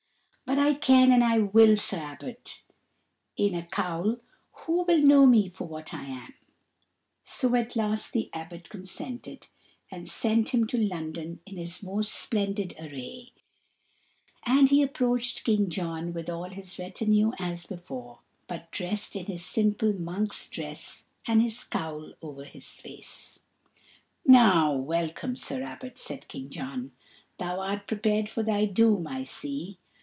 "But I can and I will, Sir Abbot. In a cowl, who will know me for what I am?" So at last the Abbot consented, and sent him to London in his most splendid array, and he approached King John with all his retinue as before, but dressed in his simple monk's dress and his cowl over his face. "Now welcome, Sir Abbot," said King John; "thou art prepared for thy doom, I see."